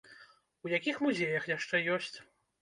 У якіх музеях яшчэ ёсць?